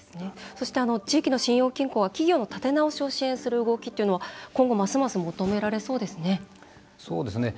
そして、地域の信用金庫は地域の立て直しを支援する動きというのが今後ますます求められそうですね。